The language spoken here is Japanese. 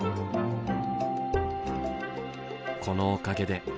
このおかげで。